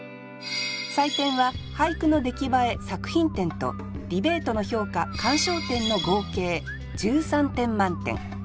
採点は俳句の出来栄え作品点とディベートの評価鑑賞点の合計１３点満点。